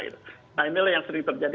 nah inilah yang sering terjadi